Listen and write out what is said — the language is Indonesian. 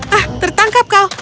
hah tertangkap kau